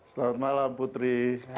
selamat malam putri